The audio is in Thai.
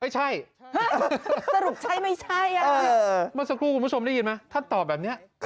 สรุปใช่ไม่ใช่เมื่อสักครู่คุณผู้ชมได้ยินไหมท่านตอบแบบนี้